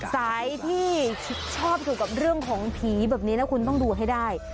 สายที่ชอบเกี่ยวกับเรื่องของผีแบบนี้นะคุณต้องดูให้ได้